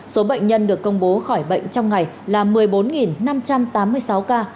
số bệnh nhân được công bố khỏi bệnh trong ngày là một mươi bốn năm trăm tám mươi sáu ca